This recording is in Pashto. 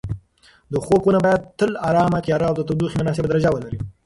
د خوب خونه باید تل ارامه، تیاره او د تودوخې مناسبه درجه ولري.